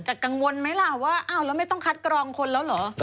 กังวลไหมล่ะว่าอ้าวแล้วไม่ต้องคัดกรองคนแล้วเหรอ